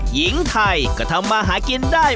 หญิงไทยก็ทำมาหากินได้